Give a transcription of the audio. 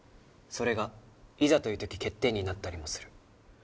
それがいざという時欠点になったりもする。